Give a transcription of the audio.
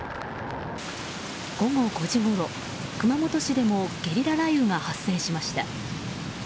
午後５時ごろ、熊本市でもゲリラ雷雨が発生しました。